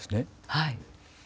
はい。